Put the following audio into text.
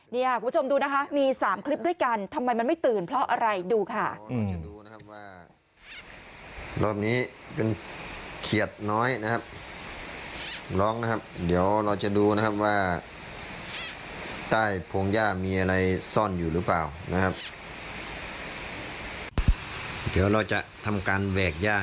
คุณผู้ชมดูนะคะมี๓คลิปด้วยกันทำไมมันไม่ตื่นเพราะอะไรดูค่ะ